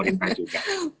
ikutin asal pemerintah juga